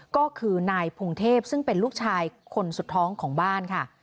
ก็คือนายพงเทพซึ่งเป็นลูกชายคนสุดท้องของบ้านค่ะ